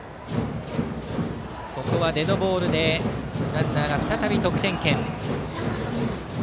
ここはデッドボールでランナーが再び得点圏。